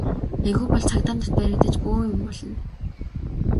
Аягүй бол цагдаа нарт баригдаж бөөн юм болно.